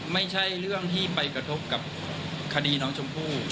ไม่ใช่เรื่องที่ไปกระทบกับคดีน้องชมพู่